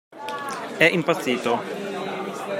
È impazzito!